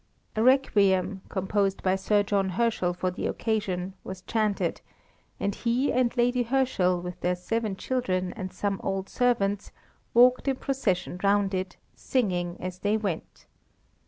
A requiem, composed by Sir John Herschel for the occasion, was chanted, and he and Lady Herschel, with their seven children and some old servants, walked in procession round it, singing as they went.